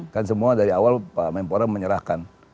kan semua dari awal pak menpora menyerahkan